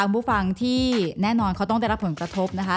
ผู้ฟังที่แน่นอนเขาต้องได้รับผลกระทบนะคะ